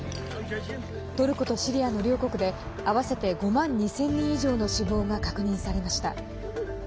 トルコとシリアの両国で合わせて５万２０００人以上の死亡が確認されました。